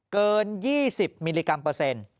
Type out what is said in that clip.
เกิน๒๐มิลลิกรัมเปอร์เซ็นต์